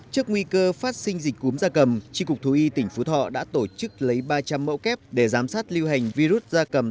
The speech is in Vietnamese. trước nguy cơ phát sinh dịch cúng gia cầm trị cục thu y tỉnh phú thọ đã tổ chức lấy ba trăm linh mẫu kép để giám sát lưu hành virus gia cầm